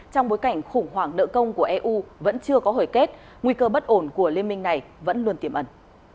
trong bối cảnh khủng hoảng nợ công của eu vẫn chưa có hồi kết nguy cơ bất ổn của liên minh này vẫn luôn tiềm ẩn